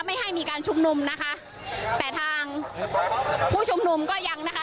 ไม่ให้มีการชุมนุมนะคะแต่ทางผู้ชุมนุมก็ยังนะคะ